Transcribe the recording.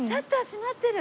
閉まってる。